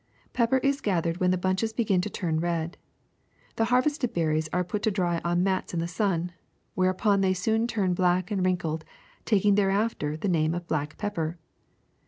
Pepper is gathered when the bunches begin to turn red; The harvested berries are put to dry on mats in the sun, whereupon they soon turn black and wrinkled, taking thereafter the name of black pepper.